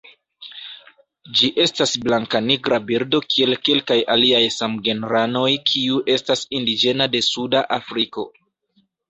Ĝi estas blankanigra birdo kiel kelkaj aliaj samgenranoj kiu estas indiĝena de Suda Afriko.